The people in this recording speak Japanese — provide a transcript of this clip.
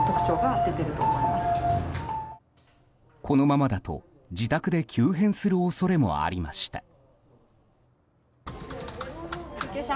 このままだと自宅で急変する恐れもありました。